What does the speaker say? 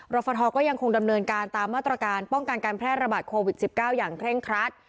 ฟทก็ยังคงดำเนินการตามมาตรการป้องกันการแพร่ระบาดโควิด๑๙อย่างเคร่งครัด